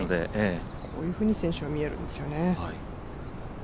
こういうふうに選手は見えるんですよね。